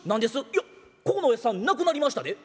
「いやここのおやっさん亡くなりましたで」。